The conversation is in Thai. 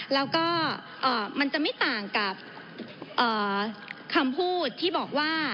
แล้วก็มันจะไม่ต่างกับคำพูดที่บอกว่า